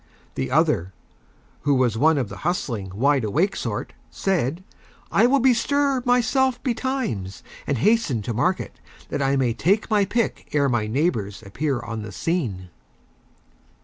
The Other, who was One of the Hustling, Wide awake Sort, said: "I will Bestir myself Betimes and Hasten to Market that I may Take my Pick ere my Neighbors appear on the Scene."